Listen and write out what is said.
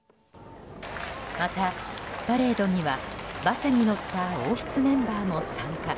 また、パレードには馬車に乗った王室メンバーも参加。